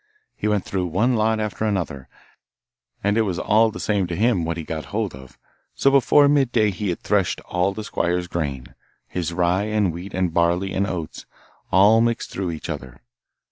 He went through one lot after another, and it was ll the same to him what he got hold of, so before midday he had threshed all the squire's grain, his rye and wheat and barley and oats, all mixed through each other.